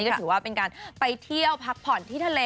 ก็ถือว่าเป็นการไปเที่ยวพักผ่อนที่ทะเล